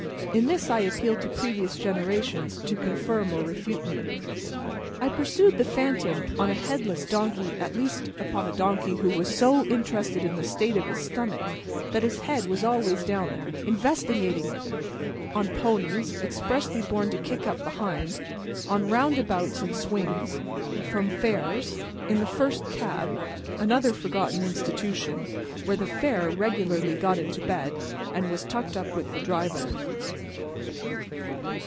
(In this, I appeal to previous generations to confirm or refute me.) I pursued the phantom, on a headless donkey: at least, upon a donkey who was so interested in the state of his stomach that his head was always down there, investigating it; on ponies, expressly born to kick up behind; on roundabouts and swings, from fairs; in the first cab—another forgotten institution where the fare regularly got into bed, and was tucked up with the driver.